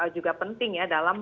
juga penting ya dalam